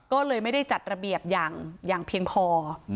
ก็เลยไม่ได้จัดระเบียบอย่างเพียงพอ